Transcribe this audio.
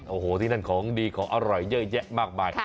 โอ้โหที่นั่นของดีของอร่อยเยอะแยะมากมาย